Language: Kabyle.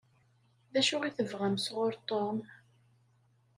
D acu i tebɣam sɣur Tom?